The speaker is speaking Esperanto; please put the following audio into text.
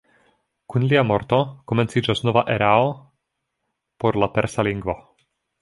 Kun lia morto komenciĝas nova erao por la persa lingvo.